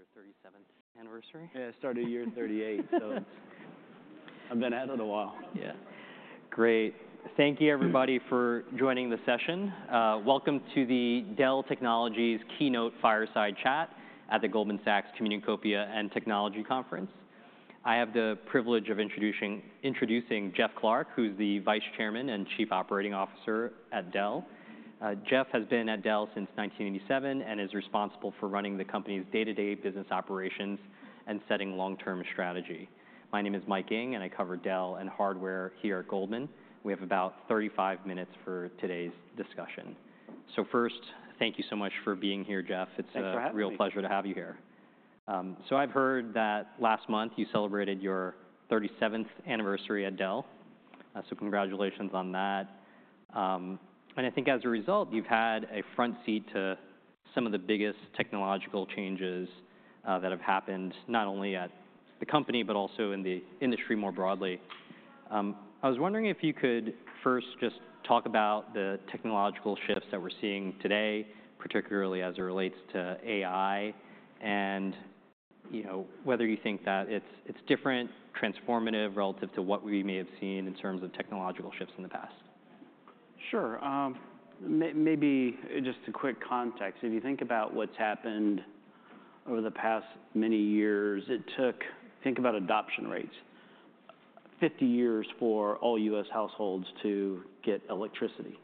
Your 37th anniversary? Yeah, I started year 38th. So, I've been at it a while. Yeah. Great. Thank you, everybody, for joining the session. Welcome to the Dell Technologies Keynote Fireside Chat at the Goldman Sachs Communacopia and Technology Conference. I have the privilege of introducing Jeff Clarke, who's the Vice Chairman and Chief Operating Officer at Dell. Jeff has been at Dell since 1987, and is responsible for running the company's day-to-day business operations, and setting long-term strategy. My name is Mike Ng, and I cover Dell and hardware here at Goldman. We have about 35 minutes for today's discussion. So first, thank you so much for being here, Jeff. Thanks for having me. It's a real pleasure to have you here. So I've heard that last month you celebrated your 37th anniversary at Dell, so congratulations on that. And I think as a result, you've had a front seat to some of the biggest technological changes that have happened, not only at the company, but also in the industry more broadly. I was wondering if you could first just talk about the technological shifts that we're seeing today, particularly as it relates to AI, and, you know, whether you think that it's different, transformative, relative to what we may have seen in terms of technological shifts in the past? Sure. Maybe just a quick context. If you think about what's happened over the past many years, it took. Think about adoption rates, 50 years for all U.S. households to get electricity.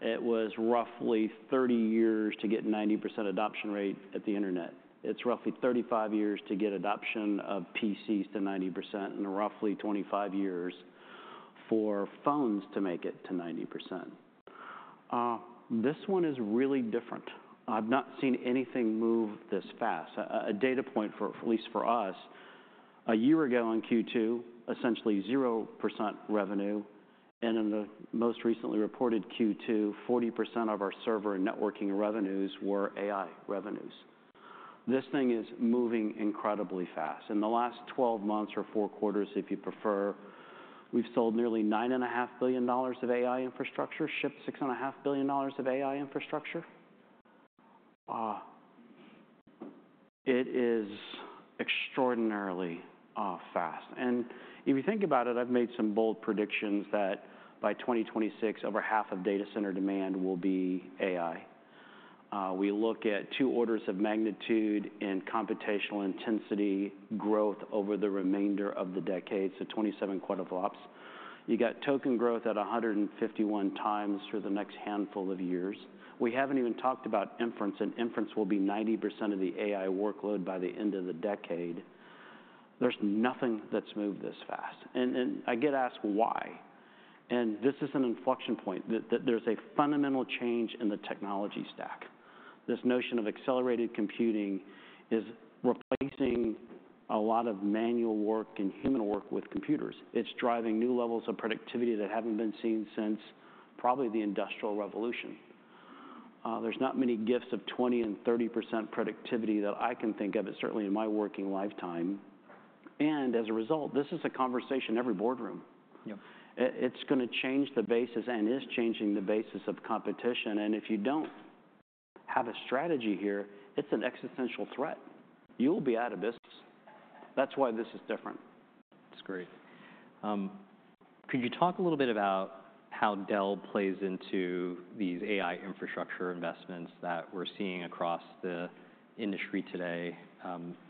It was roughly 30 years to get 90% adoption rate at the internet. It's roughly 35 years to get adoption of PCs to 90%, and roughly 25 years for phones to make it to 90%. This one is really different. I've not seen anything move this fast. A data point for, at least for us, a year ago on Q2, essentially 0% revenue, and in the most recently reported Q2, 40% of our server and networking revenues were AI revenues. This thing is moving incredibly fast. In the last 12 months or four quarters, if you prefer, we've sold nearly $9.5 billion of AI infrastructure, shipped $6.5 billion of AI infrastructure. It is extraordinarily fast. And if you think about it, I've made some bold predictions that by 2026, over half of data center demand will be AI. We look at two orders of magnitude and computational intensity growth over the remainder of the decade, so 27 quadrill OPS. You got token growth at 151x for the next handful of years. We haven't even talked about inference, and inference will be 90% of the AI workload by the end of the decade. There's nothing that's moved this fast, and I get asked why, and this is an inflection point, that there's a fundamental change in the technology stack. This notion of accelerated computing is replacing a lot of manual work and human work with computers. It's driving new levels of productivity that haven't been seen since probably the Industrial Revolution. There's not many gifts of 20% and 30% productivity that I can think of, but certainly in my working lifetime, and as a result, this is a conversation in every boardroom. Yeah. It's gonna change the basis, and is changing the basis of competition, and if you don't have a strategy here, it's an existential threat. You will be out of business. That's why this is different. That's great. Could you talk a little bit about how Dell plays into these AI infrastructure investments that we're seeing across the industry today?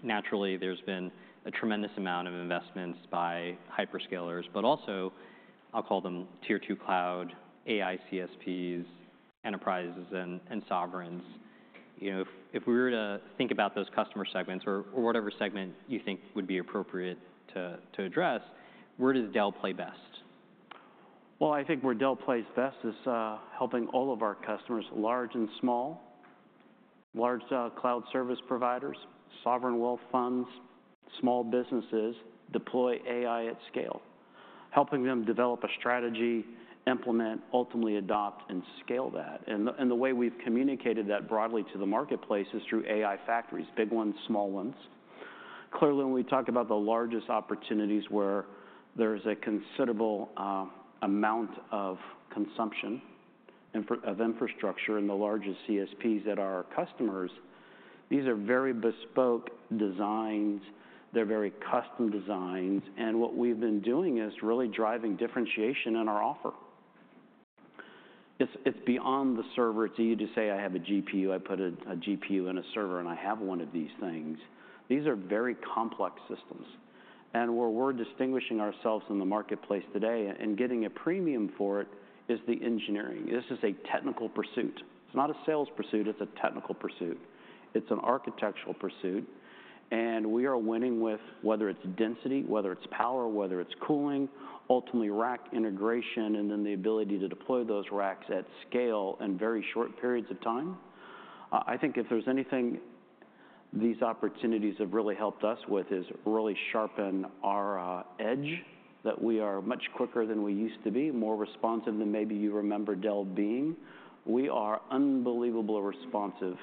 Naturally, there's been a tremendous amount of investments by hyperscalers, but also, I'll call them Tier 2 cloud, AI CSPs, enterprises and sovereigns. You know, if we were to think about those customer segments or whatever segment you think would be appropriate to address, where does Dell play best? I think where Dell plays best is helping all of our customers, large and small, large cloud service providers, sovereign wealth funds, small businesses, deploy AI at scale. Helping them develop a strategy, implement, ultimately adopt, and scale that. And the way we've communicated that broadly to the marketplace is through AI factories, big ones, small ones. Clearly, when we talk about the largest opportunities where there's a considerable amount of consumption infrastructure in the largest CSPs that are our customers, these are very bespoke designs, they're very custom designs, and what we've been doing is really driving differentiation in our offer. It's beyond the server. It's easy to say, I have a GPU. I put a GPU in a server, and I have one of these things. These are very complex systems, and where we're distinguishing ourselves in the marketplace today and getting a premium for it, is the engineering. This is a technical pursuit. It's not a sales pursuit. It's a technical pursuit. It's an architectural pursuit, and we are winning with whether it's density, whether it's power, whether it's cooling, ultimately rack integration, and then the ability to deploy those racks at scale in very short periods of time. I think if there's anything these opportunities have really helped us with, is really sharpen our edge, that we are much quicker than we used to be, more responsive than maybe you remember Dell being. We are unbelievably responsive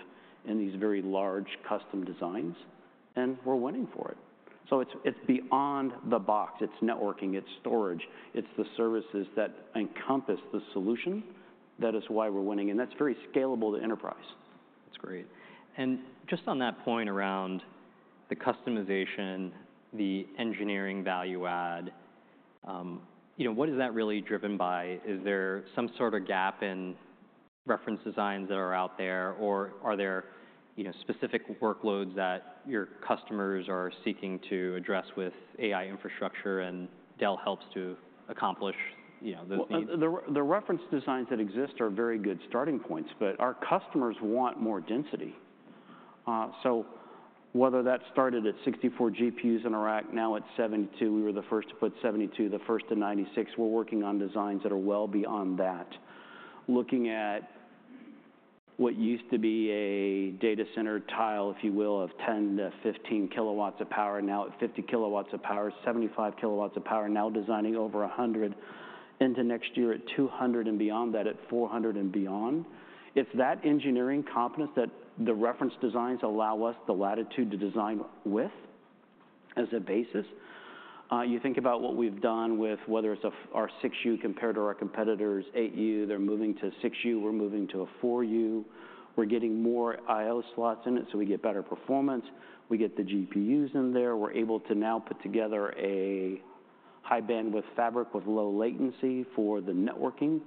in these very large custom designs, and we're winning for it, so it's beyond the box. It's networking, it's storage, it's the services that encompass the solution. That is why we're winning, and that's very scalable to enterprise. That's great. And just on that point around the customization, the engineering value add, you know, what is that really driven by? Is there some sort of gap in reference designs that are out there, or are there, you know, specific workloads that your customers are seeking to address with AI infrastructure, and Dell helps to accomplish, you know, those needs? The reference designs that exist are very good starting points, but our customers want more density, so whether that started at 64 GPUs in a rack, now at 72, we were the first to put 72, the first to 96. We're working on designs that are well beyond that. Looking at what used to be a data center tile, if you will, of 10 kW-15 kW of power, now at 50 kW of power, 75 kW of power, now designing over 100, into next year at 200 and beyond that, at 400 and beyond. It's that engineering competence that the reference designs allow us the latitude to design with as a basis. You think about what we've done with whether it's our 6U compared to our competitors' 8U. They're moving to 6U, we're moving to a 4U. We're getting more I/O slots in it, so we get better performance. We get the GPUs in there. We're able to now put together a high-bandwidth fabric with low latency for the networking.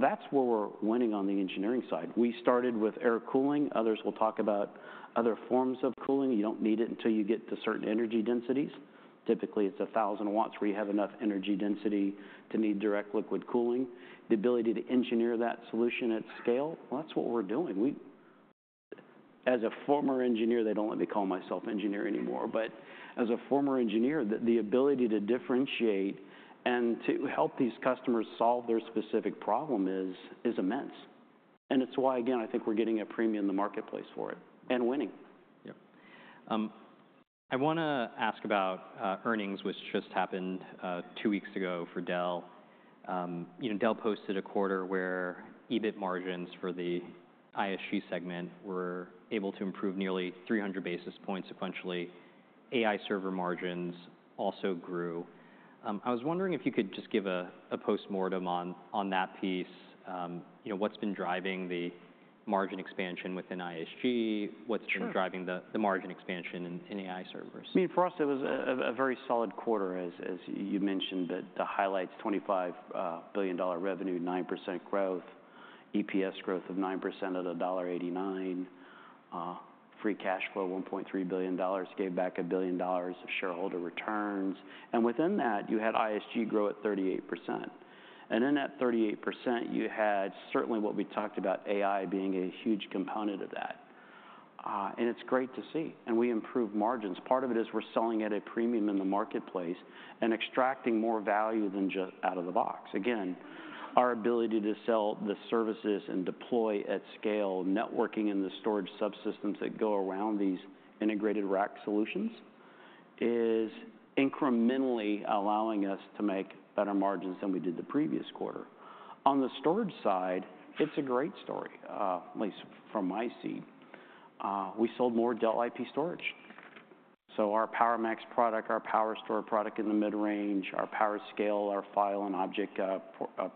That's where we're winning on the engineering side. We started with air cooling. Others will talk about other forms of cooling. You don't need it until you get to certain energy densities. Typically, it's 1,000 W, where you have enough energy density to need direct liquid cooling. The ability to engineer that solution at scale, well, that's what we're doing. As a former engineer, they don't let me call myself engineer anymore, but as a former engineer, the ability to differentiate and to help these customers solve their specific problem is immense, and it's why, again, I think we're getting a premium in the marketplace for it, and winning. Yeah. I want to ask about earnings, which just happened two weeks ago for Dell. You know, Dell posted a quarter where EBIT margins for the ISG segment were able to improve nearly three hundred basis points sequentially. AI server margins also grew. I was wondering if you could just give a postmortem on that piece. You know, what's been driving the margin expansion within ISG? Sure. What's been driving the margin expansion in AI servers? I mean, for us, it was a very solid quarter, as you mentioned. The highlight is $25 billion revenue, 9% growth, EPS growth of 9% at $1.89. Free cash flow, $1.3 billion. Gave back $1 billion of shareholder returns. And within that, you had ISG grow at 38%, and in that 38%, you had certainly what we talked about, AI being a huge component of that. And it's great to see, and we improved margins. Part of it is we're selling at a premium in the marketplace and extracting more value than just out of the box. Again, our ability to sell the services and deploy at scale, networking in the storage subsystems that go around these integrated rack solutions, is incrementally allowing us to make better margins than we did the previous quarter. On the storage side, it's a great story, at least from my seat. We sold more Dell IP Storage. So our PowerMax product, our PowerStore product in the mid-range, our PowerScale, our file and object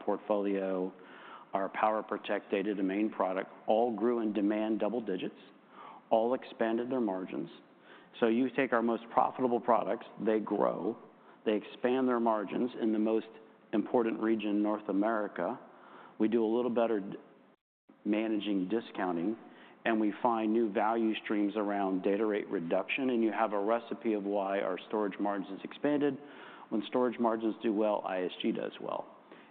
portfolio, our PowerProtect Data Domain product, all grew in demand double digits, all expanded their margins. So you take our most profitable products, they grow, they expand their margins in the most important region, North America. We do a little better managing discounting, and we find new value streams around data rate reduction, and you have a recipe of why our storage margins expanded. When storage margins do well, ISG does well.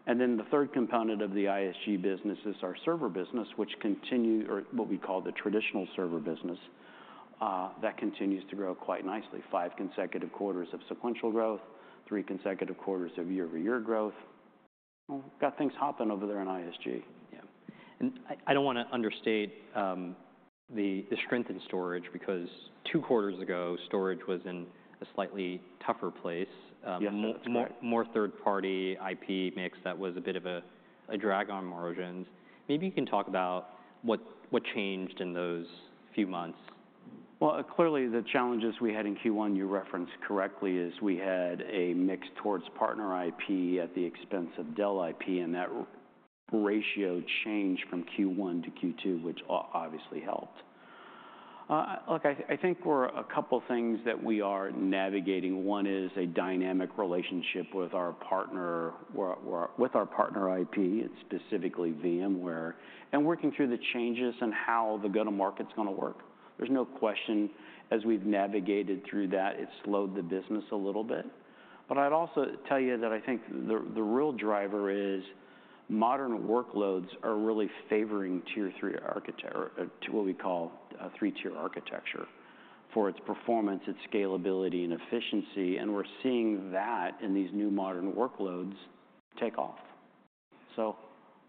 And then the third component of the ISG business is our Server business, which, or what we call, the traditional server business. That continues to grow quite nicely. Five consecutive quarters of sequential growth, three consecutive quarters of year-over-year growth. Well, got things hopping over there in ISG. Yeah, and I don't want to understate the strength in storage, because two quarters ago, storage was in a slightly tougher place. Yes, that's correct. More third-party IP mix, that was a bit of a drag on margins. Maybe you can talk about what changed in those few months. Clearly, the challenges we had in Q1, you referenced correctly, is we had a mix towards partner IP at the expense of Dell IP, and that ratio changed from Q1 to Q2, which obviously helped. Look, I think we're a couple things that we are navigating, one is a dynamic relationship with our partner, where with our partner IP, and specifically VMware, and working through the changes in how the go-to-market's going to work. There's no question as we've navigated through that, it's slowed the business a little bit. But I'd also tell you that I think the real driver is modern workloads are really favoring tier three architecture to what we call a three-tier architecture, for its performance, its scalability, and efficiency, and we're seeing that in these new modern workloads take off. So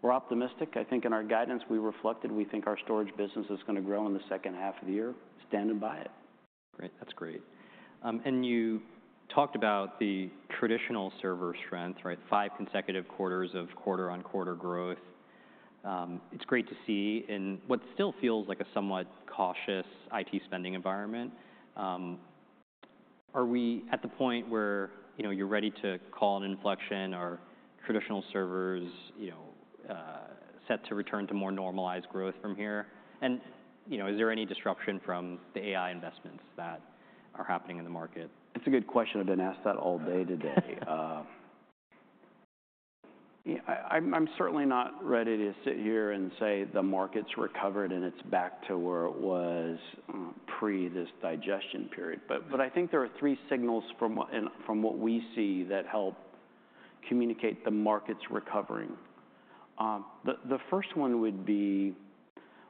we're optimistic. I think in our guidance, we reflected we think our storage business is going to grow in the second half of the year. Stand and buy it. Great. That's great. And you talked about the traditional server strength, right? Five consecutive quarters of quarter-on-quarter growth. It's great to see in what still feels like a somewhat cautious IT spending environment. Are we at the point where, you know, you're ready to call an inflection? Are traditional servers, you know, set to return to more normalized growth from here? And, you know, is there any disruption from the AI investments that are happening in the market? It's a good question. I've been asked that all day today. Yeah, I'm certainly not ready to sit here and say the market's recovered, and it's back to where it was pre-this digestion period, but I think there are three signals from what we see that help communicate the market's recovering. The first one would be,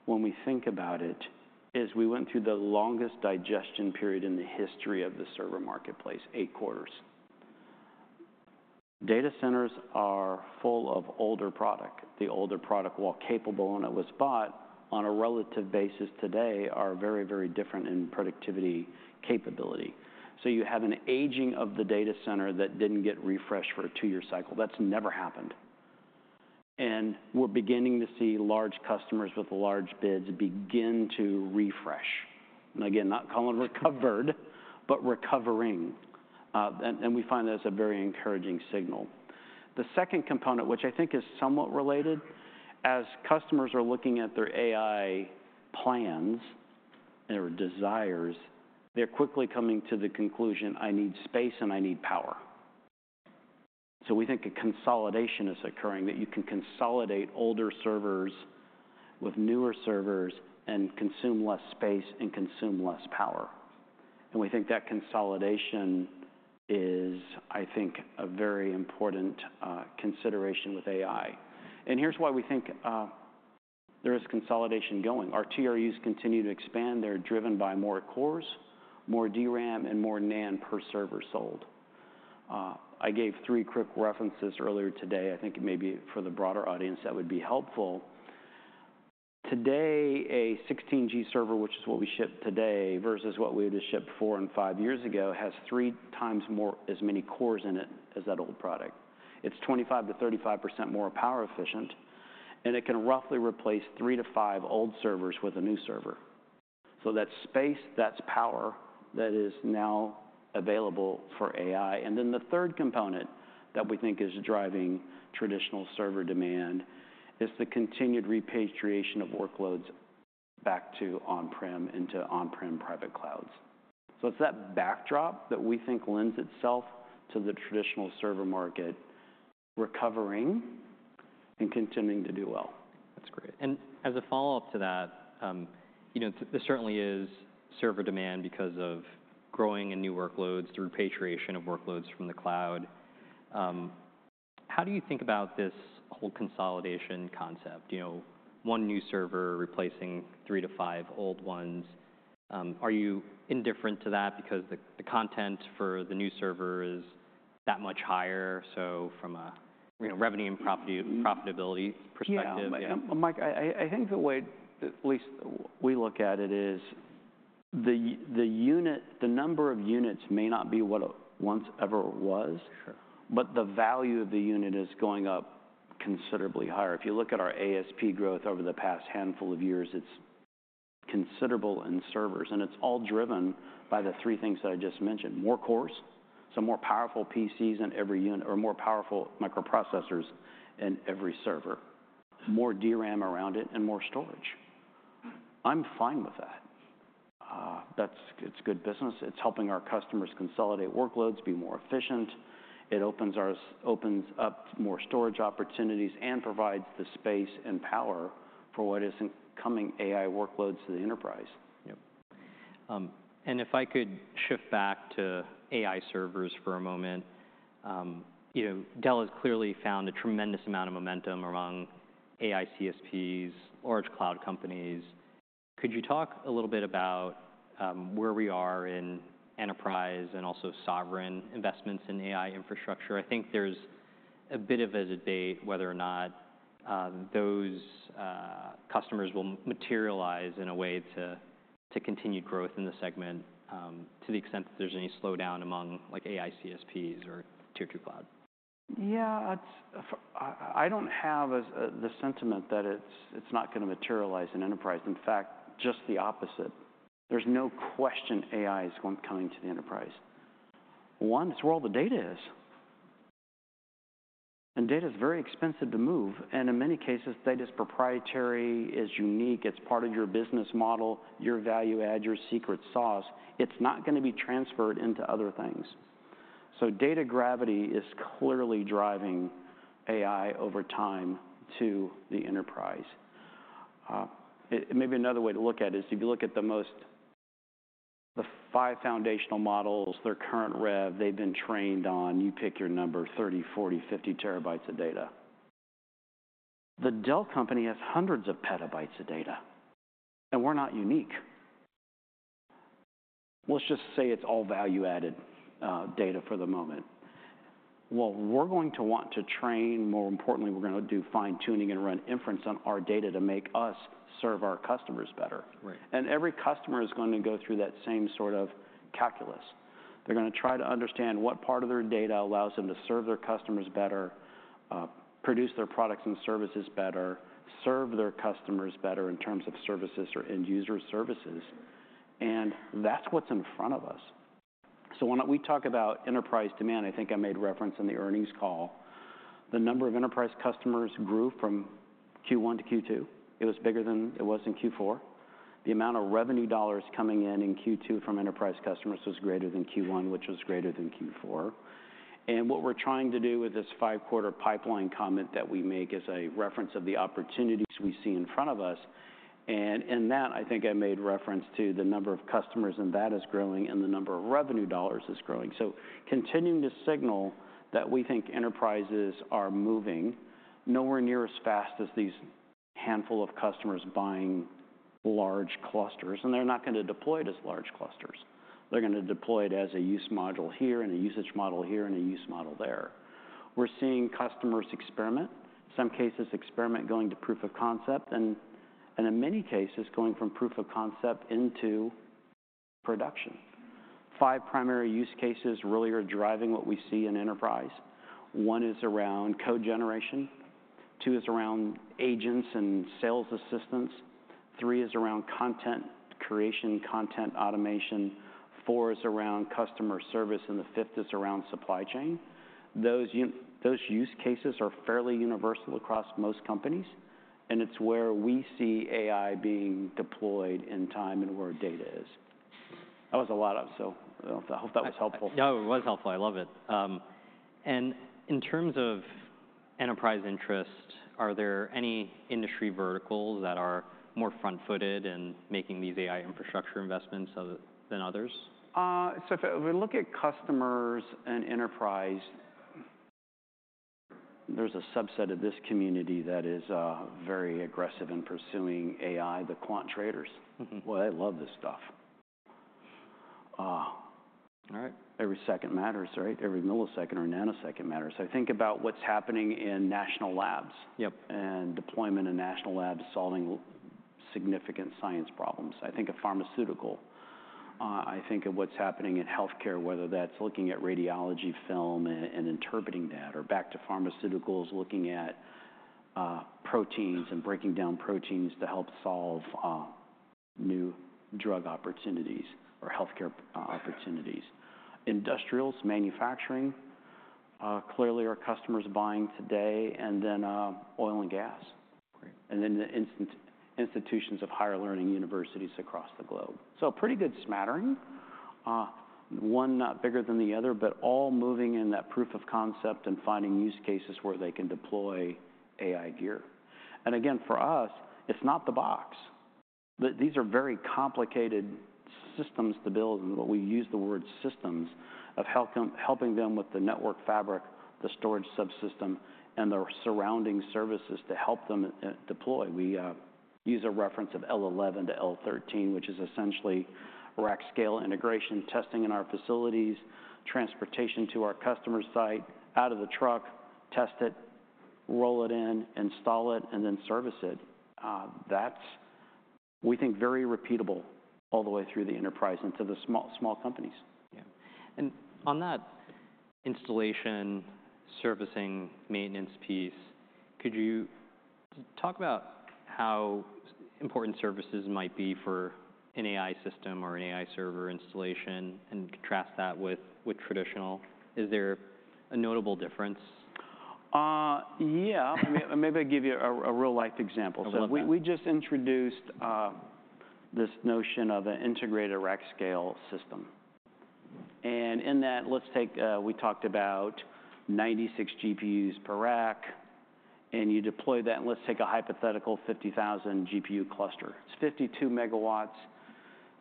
when we think about it, is we went through the longest digestion period in the history of the server marketplace, eight quarters. Data centers are full of older product. The older product, while capable when it was bought, on a relative basis today, are very, very different in productivity capability. So you have an aging of the data center that didn't get refreshed for a two-year cycle. That's never happened, and we're beginning to see large customers with large bids begin to refresh. And again, not call it recovered, but recovering. And we find that as a very encouraging signal. The second component, which I think is somewhat related, as customers are looking at their AI plans and their desires, they're quickly coming to the conclusion, I need space, and I need power. So we think a consolidation is occurring, that you can consolidate older servers with newer servers and consume less space and consume less power, and we think that consolidation is, I think, a very important consideration with AI. And here's why we think there is consolidation going. Our TRUs continue to expand. They're driven by more cores, more DRAM, and more NAND per server sold. I gave three quick references earlier today. I think it may be for the broader audience that would be helpful. Today, a 16G server, which is what we ship today, versus what we would've shipped four and five years ago, has 3x more as many cores in it as that old product. It's 25%-35% more power efficient, and it can roughly replace three to five old servers with a new server, so that's space, that's power, that is now available for AI. And then the third component that we think is driving traditional server demand is the continued repatriation of workloads back to on-prem, into on-prem private clouds, so it's that backdrop that we think lends itself to the traditional server market recovering and continuing to do well. That's great. And as a follow-up to that, you know, there certainly is server demand because of growing and new workloads, the repatriation of workloads from the cloud. How do you think about this whole consolidation concept? You know, one new server replacing three to five old ones. Are you indifferent to that because the content for the new server is that much higher, so from a revenue and profitability perspective? Yeah. Mike, I think the way at least we look at it is, the number of units may not be what it once ever was. Sure But the value of the unit is going up considerably higher. If you look at our ASP growth over the past handful of years, it's considerable in servers, and it's all driven by the three things that I just mentioned: more cores, so more powerful PCs in every unit or more powerful microprocessors in every server, more DRAM around it, and more storage. I'm fine with that. That's good business. It's helping our customers consolidate workloads, be more efficient. It opens up more storage opportunities and provides the space and power for what is incoming AI workloads to the enterprise. Yep, and if I could shift back to AI servers for a moment. You know, Dell has clearly found a tremendous amount of momentum among AI CSPs, large cloud companies. Could you talk a little bit about where we are in enterprise and also sovereign investments in AI infrastructure? I think there's a bit of a debate whether or not those customers will materialize in a way to continued growth in the segment, to the extent that there's any slowdown among, like, AI CSPs or Tier 2 cloud. Yeah, I don't have the sentiment that it's not gonna materialize in enterprise. In fact, just the opposite. There's no question AI is coming to the enterprise. One, it's where all the data is, and data is very expensive to move, and in many cases, data is proprietary, it's unique, it's part of your business model, your value add, your secret sauce. It's not gonna be transferred into other things. So data gravity is clearly driving AI over time to the enterprise. And maybe another way to look at it is, if you look at the five foundational models, their current rev, they've been trained on, you pick your number, 30 TB, 40 TB, 50 TB of data. The Dell company has hundreds of petabytes of data, and we're not unique. Let's just say it's all value-added data for the moment. We're going to want to train, more importantly, we're gonna do fine-tuning and run inference on our data to make us serve our customers better. Right. Every customer is going to go through that same sort of calculus. They're gonna try to understand what part of their data allows them to serve their customers better, produce their products and services better, serve their customers better in terms of services or end-user services, and that's what's in front of us. When we talk about enterprise demand, I think I made reference in the earnings call. The number of enterprise customers grew from Q1 to Q2. It was bigger than it was in Q4. The amount of revenue dollars coming in in Q2 from enterprise customers was greater than Q1, which was greater than Q4. What we're trying to do with this five-quarter pipeline comment that we make is a reference of the opportunities we see in front of us. And in that, I think I made reference to the number of customers, and that is growing, and the number of revenue dollars is growing. So continuing to signal that we think enterprises are moving nowhere near as fast as these handful of customers buying large clusters, and they're not gonna deploy it as large clusters. They're gonna deploy it as a use module here, and a usage module here, and a use module there. We're seeing customers experiment. In some cases, experiment going to proof of concept, and in many cases, going from proof of concept into production. Five primary use cases really are driving what we see in enterprise. One is around code generation, two is around agents and sales assistants, three is around content creation, content automation, four is around customer service, and the fifth is around supply chain. Those use cases are fairly universal across most companies, and it's where we see AI being deployed in time and where data is. That was a lot of, so, I hope that was helpful. No, it was helpful. I love it. And in terms of enterprise interest, are there any industry verticals that are more front-footed in making these AI infrastructure investments other than others? So if we look at customers and enterprise, there's a subset of this community that is very aggressive in pursuing AI, the quant traders. Mm-hmm. Boy, they love this stuff. All right. Every second matters, right? Every millisecond or nanosecond matters. So think about what's happening in national labs. Yep And deployment in national labs, solving significant science problems. I think of pharmaceuticals. I think of what's happening in healthcare, whether that's looking at radiology film and interpreting that, or back to pharmaceuticals, looking at proteins and breaking down proteins to help solve new drug opportunities or healthcare opportunities. Industrials, manufacturing clearly are customers buying today, and then oil and gas. Great. Institutions of higher learning, universities across the globe. So a pretty good smattering. One not bigger than the other, but all moving in that proof of concept and finding use cases where they can deploy AI gear. And again, for us, it's not the box. These are very complicated systems to build, and we use the word systems, helping them with the network fabric, the storage subsystem, and the surrounding services to help them deploy. We use a reference of L11 to L13, which is essentially rack-scale integration, testing in our facilities, transportation to our customer site, out of the truck, test it, roll it in, install it, and then service it. That's, we think, very repeatable all the way through the enterprise into the small companies. Yeah. And on that installation, servicing, maintenance piece, could you talk about how important services might be for an AI system or an AI server installation, and contrast that with traditional? Is there a notable difference? Yeah. Maybe I'll give you a real-life example. I'd love that. We just introduced this notion of an integrated rack scale system. In that, let's take we talked about 96 GPUs per rack, and you deploy that, and let's take a hypothetical 50,000 GPU cluster. It's 52 MW,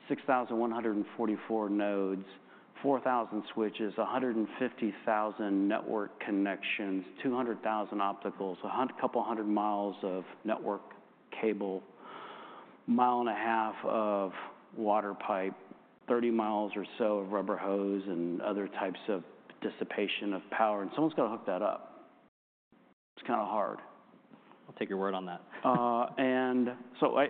6,144 nodes, 4,000 switches, 150,000 network connections, 200,000 opticals, a couple hundred miles of network cable, 1.5 mi of water pipe, 30 mi or so of rubber hose, and other types of dissipation of power, and someone's gotta hook that up. It's kinda hard. I'll take your word on that. And so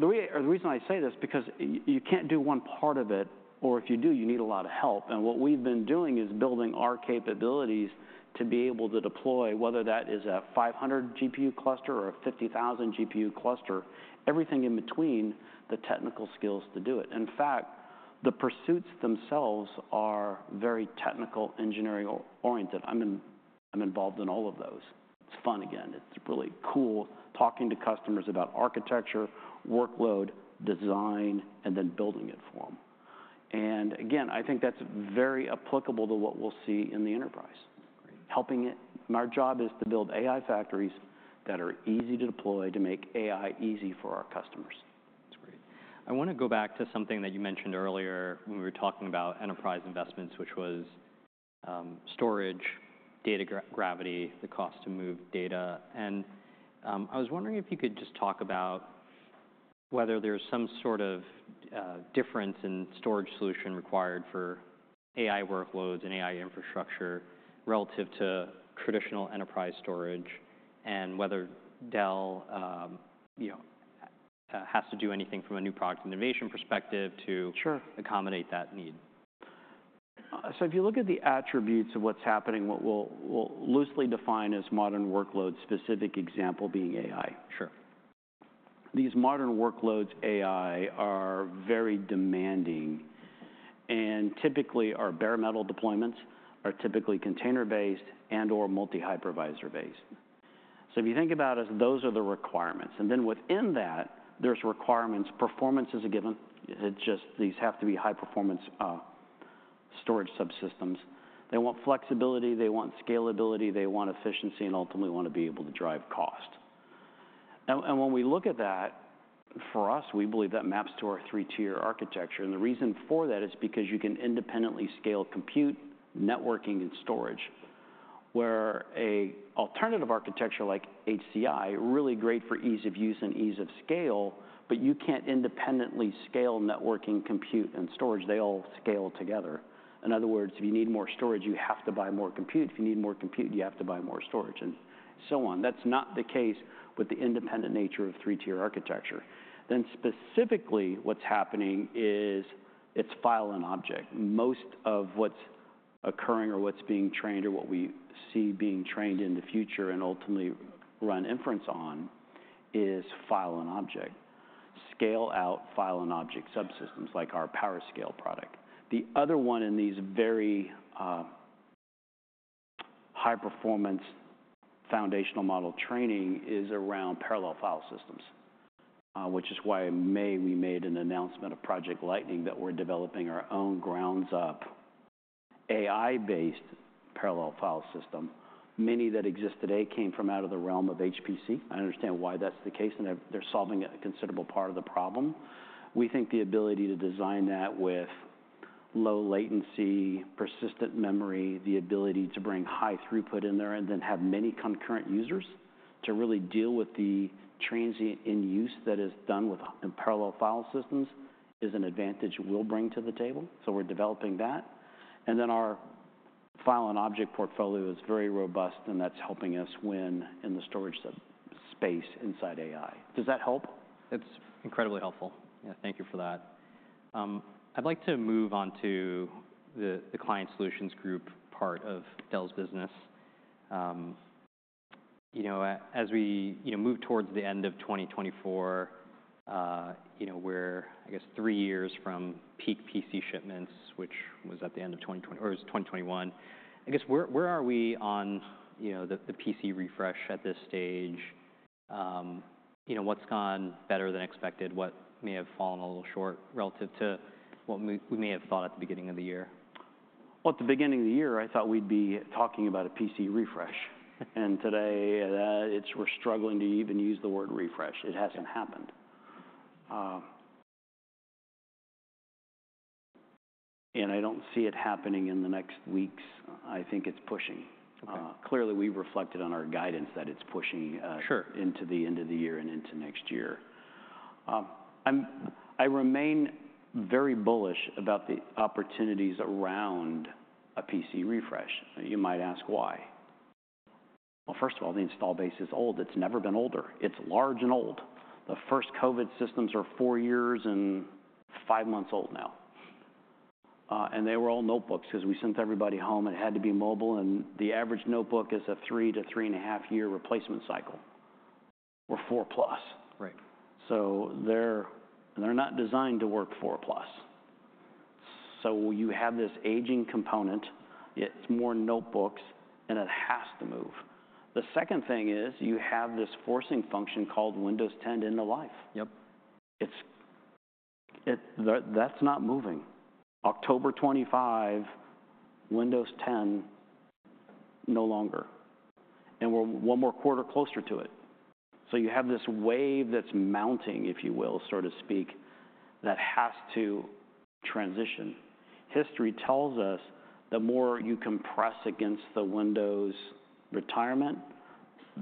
the way or the reason I say this, because you can't do one part of it, or if you do, you need a lot of help, and what we've been doing is building our capabilities to be able to deploy, whether that is a 500 GPU cluster or a 50,000 GPU cluster, everything in between, the technical skills to do it. In fact, the pursuits themselves are very technical, engineering oriented. I'm in, I'm involved in all of those. It's fun again. It's really cool talking to customers about architecture, workload, design, and then building it for them. And again, I think that's very applicable to what we'll see in the enterprise. Great. Our job is to build AI factories that are easy to deploy, to make AI easy for our customers. That's great. I wanna go back to something that you mentioned earlier when we were talking about enterprise investments, which was storage, data gravity, the cost to move data, and I was wondering if you could just talk about whether there's some sort of difference in storage solution required for AI workloads and AI infrastructure relative to traditional enterprise storage, and whether Dell you know has to do anything from a new product innovation perspective to- Sure accommodate that need. So if you look at the attributes of what's happening, what we'll loosely define as modern workload, specific example being AI. Sure. These modern workloads, AI, are very demanding, and typically our bare metal deployments are typically container-based and/or multi-hypervisor based. So if you think about it, those are the requirements, and then within that, there's requirements. Performance is a given. These have to be high-performance storage subsystems. They want flexibility, they want scalability, they want efficiency, and ultimately, want to be able to drive cost. Now, and when we look at that, for us, we believe that maps to our three-tier architecture, and the reason for that is because you can independently scale, compute, networking, and storage. Where an alternative architecture like HCI, really great for ease of use and ease of scale, but you can't independently scale, networking, compute, and storage. They all scale together. In other words, if you need more storage, you have to buy more compute. If you need more compute, you have to buy more storage, and so on. That's not the case with the independent nature of three-tier architecture. Then, specifically, what's happening is it's file and object. Most of what's occurring, or what's being trained, or what we see being trained in the future and ultimately run inference on, is file and object. Scale out file and object subsystems, like our PowerScale product. The other one in these very, high-performance foundational model training is around parallel file systems, which is why in May, we made an announcement of Project Lightning, that we're developing our own ground-up, AI-based parallel file system. Many that exist today came from out of the realm of HPC. I understand why that's the case, and they're solving a considerable part of the problem. We think the ability to design that with low latency, persistent memory, the ability to bring high throughput in there, and then have many concurrent users, to really deal with the transient in use that is done within parallel file systems, is an advantage we'll bring to the table, so we're developing that. And then, our file and object portfolio is very robust, and that's helping us win in the storage space inside AI. Does that help? It's incredibly helpful. Yeah, thank you for that. I'd like to move on to the Client Solutions Group part of Dell's business. You know, as we move towards the end of 2024, you know, we're, I guess, three years from peak PC shipments, which was at the end of 2021. I guess, where are we on the PC refresh at this stage? You know, what's gone better than expected? What may have fallen a little short relative to what we may have thought at the beginning of the year? Well, at the beginning of the year, I thought we'd be talking about a PC refresh. And today, we're struggling to even use the word refresh. It hasn't happened. And I don't see it happening in the next weeks. I think it's pushing. Okay. Clearly, we've reflected on our guidance that it's pushing Sure into the end of the year and into next year. I remain very bullish about the opportunities around a PC refresh. You might ask why. Well, first of all, the install base is old. It's never been older. It's large and old. The first COVID systems are four years and five months old now, and they were all notebooks, because we sent everybody home, and it had to be mobile, and the average notebook is a three- to three-and-a-half-year replacement cycle, or four plus. Right. So they're not designed to work four plus. So you have this aging component, it's more notebooks, and it has to move. The second thing is, you have this forcing function called Windows 10 end of life. Yep. That, that's not moving. October 2025, Windows 10, no longer, and we're one more quarter closer to it. So you have this wave that's mounting, if you will, so to speak, that has to transition. History tells us the more you compress against the Windows retirement,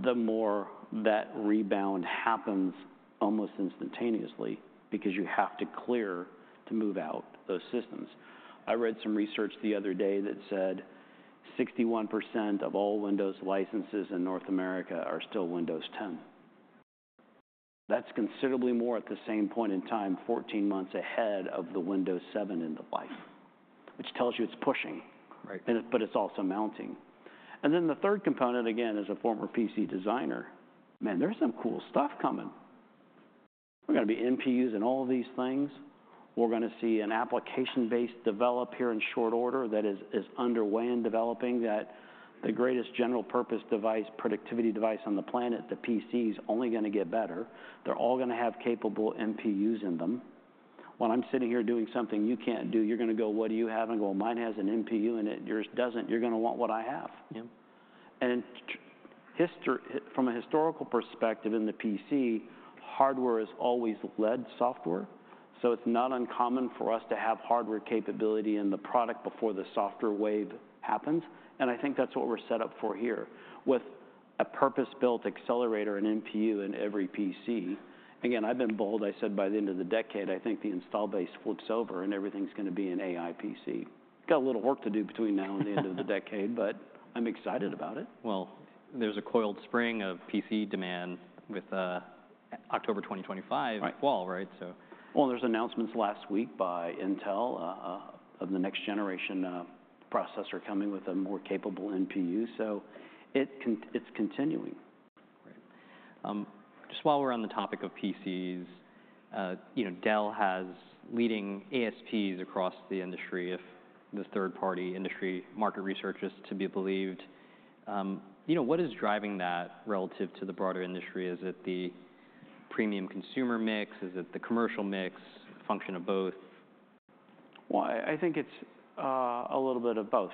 the more that rebound happens almost instantaneously, because you have to clear to move out those systems. I read some research the other day that said 61% of all Windows licenses in North America are still Windows 10. That's considerably more at the same point in time, 14 months ahead of the Windows 7 end of life, which tells you it's pushing. Right. And it, but it's also mounting. And then, the third component, again, as a former PC designer, man, there's some cool stuff coming. We're gonna be NPUs and all these things. We're gonna see an application base develop here in short order that is underway in developing, that the greatest general purpose device, productivity device on the planet, the PC, is only gonna get better. They're all gonna have capable NPUs in them. While I'm sitting here doing something you can't do, you're gonna go, what do you have? I'm gonna go, mine has an NPU, and yours doesn't. You're gonna want what I have. Yeah. From a historical perspective in the PC, hardware has always led software, so it's not uncommon for us to have hardware capability in the product before the software wave happens, and I think that's what we're set up for here. With a purpose-built accelerator, an NPU in every PC. Again, I've been bold. I said by the end of the decade, I think the install base flips over, and everything's gonna be an AI PC. Got a little work to do between now and the end of the decade, but I'm excited about it. There's a coiled spring of PC demand with October 2025. Right Fall, right? So- There's announcements last week by Intel of the next generation processor coming with a more capable NPU, so it's continuing. Right. Just while we're on the topic of PCs, you know, Dell has leading ASPs across the industry if the third-party industry market research is to be believed. You know, what is driving that relative to the broader industry? Is it the premium consumer mix? Is it the commercial mix, function of both? I think it's a little bit of both.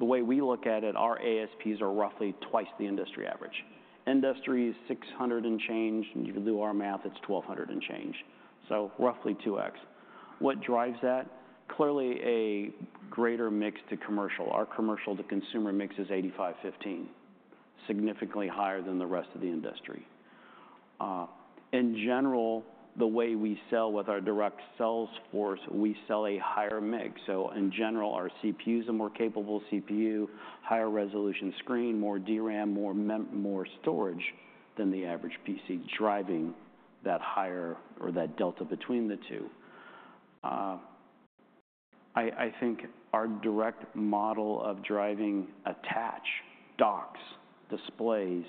The way we look at it, our ASPs are roughly twice the industry average. Industry is 600 and change, and you can do our math, it's 1,200 and change, so roughly 2x. What drives that? Clearly, a greater mix to commercial. Our commercial to consumer mix is 85/15, significantly higher than the rest of the industry. In general, the way we sell with our direct sales force, we sell a higher mix, so in general, our CPU's a more capable CPU, higher resolution screen, more DRAM, more storage than the average PC, driving that higher or that delta between the two. I think our direct model of driving attach docks, displays,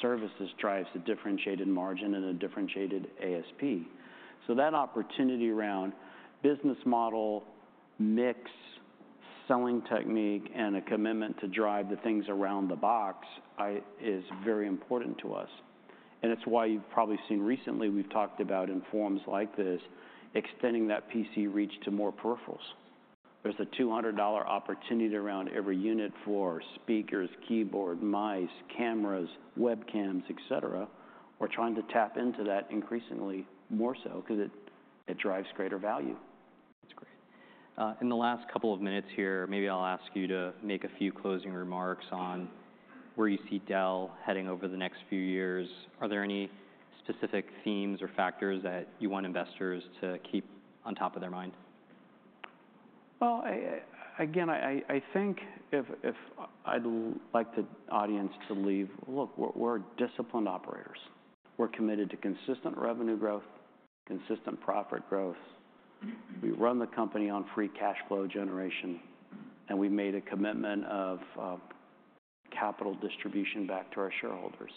services, drives a differentiated margin and a differentiated ASP. So that opportunity around business model mix, selling technique, and a commitment to drive the things around the box is very important to us, and it's why you've probably seen recently we've talked about, in forums like this, extending that PC reach to more peripherals. There's a $200 opportunity around every unit for speakers, keyboard, mice, cameras, webcams, et cetera. We're trying to tap into that increasingly more so, 'cause it drives greater value. That's great. In the last couple of minutes here, maybe I'll ask you to make a few closing remarks on where you see Dell heading over the next few years. Are there any specific themes or factors that you want investors to keep on top of their mind? Again, I think I'd like the audience to take away. Look, we're disciplined operators. We're committed to consistent revenue growth, consistent profit growth. We run the company on free cash flow generation, and we've made a commitment of capital distribution back to our shareholders.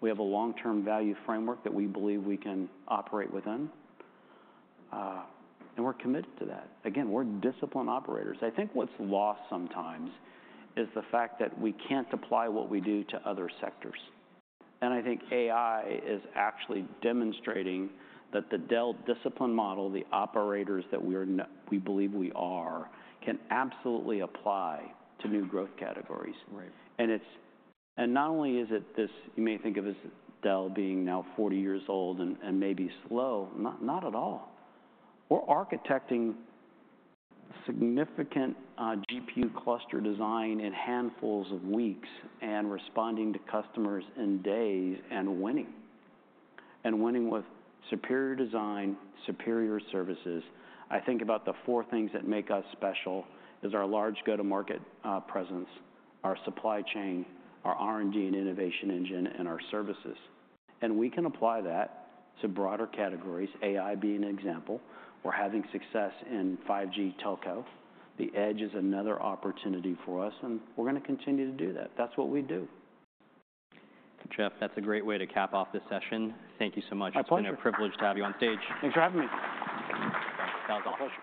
We have a long-term value framework that we believe we can operate within, and we're committed to that. Again, we're disciplined operators. I think what's lost sometimes is the fact that we can't apply what we do to other sectors, and I think AI is actually demonstrating that the Dell discipline model, the operators that we believe we are, can absolutely apply to new growth categories. Right. And it's not only is it this. You may think of Dell being now 40 old and maybe slow. Not at all. We're architecting significant GPU cluster design in handfuls of weeks, and responding to customers in days, and winning with superior design, superior services. I think about the four things that make us special is our large go-to-market presence, our supply chain, our R&D and innovation engine, and our services, and we can apply that to broader categories, AI being an example. We're having success in 5G telco. The edge is another opportunity for us, and we're gonna continue to do that. That's what we do. Jeff, that's a great way to cap off this session. Thank you so much. My pleasure. It's been a privilege to have you on stage. Thanks for having me. Thanks. That was awesome.